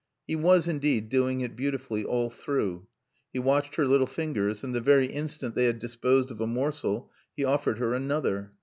He was indeed doing it beautifully all through. He watched her little fingers, and the very instant they had disposed of a morsel he offered her another.